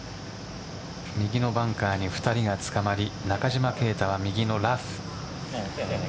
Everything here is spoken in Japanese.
右のバンカーに２人がつかまり中島啓太は右のラフ。